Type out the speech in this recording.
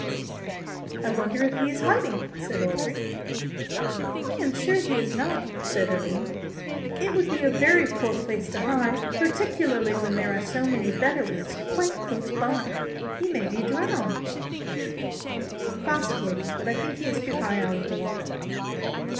"I wonder if he is hiding," said Audry. "I am sure he is not," said Aline. "It would be a very poor place to hide, particularly when there are so many better ones quite close by. He may be drowned." "Possibly, but I think he is too high out of the water."